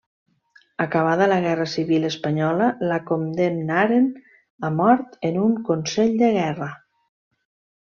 Acabada la Guerra Civil espanyola la condemnaren a mort en un consell de guerra.